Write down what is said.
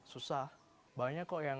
susah banyak kok yang